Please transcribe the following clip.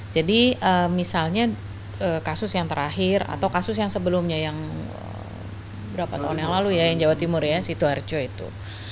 jadi misalnya kasus yang terakhir atau kasus yang sebelumnya yang berapa tahun yang lalu ya yang jawa timur ya situarjo itu